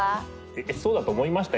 えっそうだと思いました？